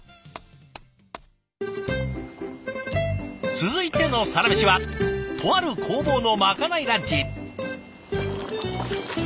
続いてのサラメシはとある工房のまかないランチ。